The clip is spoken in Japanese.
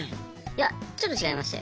いやちょっと違いまして。